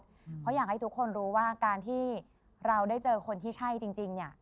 เพราะอยากให้ทุกคนรู้ว่าการที่เราได้เจอคนที่ใช่จริงเนี่ย